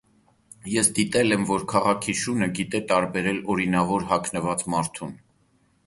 Ես դիտել եմ, որ քաղաքի շունը գիտե տարբերել օրինավոր հագնված մարդուն աղքատ հագնված մարդուց: